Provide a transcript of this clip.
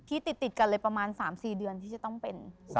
ที่ติดกันเลยประมาณ๓๔เดือนที่จะต้องเป็น